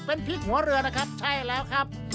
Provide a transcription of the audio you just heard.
เป็นพริกหัวเรือนะครับใช่แล้วครับ